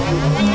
aku akan menang